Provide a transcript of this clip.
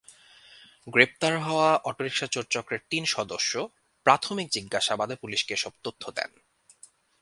গ্রেপ্তার হওয়া অটোরিকশা চোরচক্রের তিন সদস্য প্রাথমিক জিজ্ঞাসাবাদে পুলিশকে এসব তথ্য দেন।